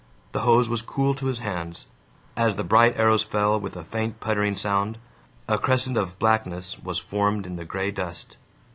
The hose was cool to his hands. As the bright arrows fell with a faint puttering sound, a crescent of blackness was formed in the gray dust.